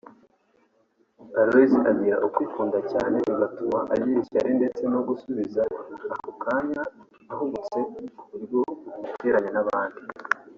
Aloys agira ukwikunda cyane bigatuma agira ishyari ndetse no gusubiza ako kanya ahubutse ku buryo bimuteranya n’abandi